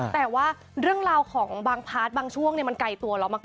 แต่ว่าเรื่องราวของบางพาร์ทบางช่วงมันไกลตัวเรามาก